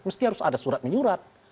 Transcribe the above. mesti harus ada surat menyurat